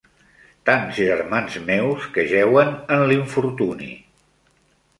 Tants germans meus que jeuen en l'infortuni